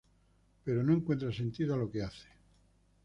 Pero no encuentra sentido a lo que hace.